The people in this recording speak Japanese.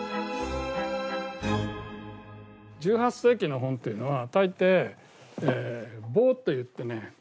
１８世紀の本っていうのは大抵えボーと言ってね